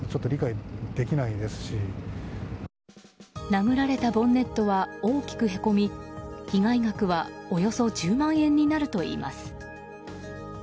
殴られたボンネットは大きくへこみ被害額は、およそ１０万円になるといいます。